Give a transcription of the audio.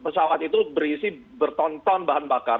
pesawat itu berisi bertonton bahan bakar